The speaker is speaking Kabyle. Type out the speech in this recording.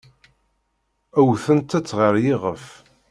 Wtent-tt ɣer yiɣef.